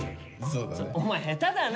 「お前下手だな！」